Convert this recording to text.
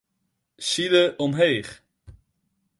Side omheech.